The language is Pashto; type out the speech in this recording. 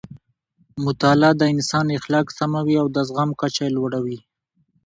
مطالعه د انسان اخلاق سموي او د زغم کچه یې لوړوي.